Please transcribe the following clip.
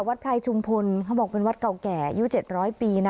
วัดพลายชุมพลเขาบอกเป็นวัดเก่าแก่ยูด้วยเจ็ดร้อยปีนะ